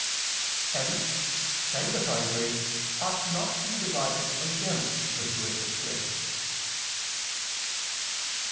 Hence sanctifying grace ought not to be divided against gratuitous grace.